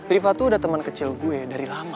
riva tuh udah temen kecil gue dari lama